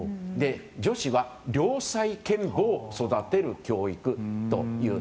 女子は良妻賢母を育てる教育という。